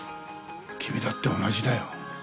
君だって同じだよ。